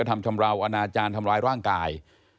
ทำชำราวอนาจารย์ทำร้ายร่างกาย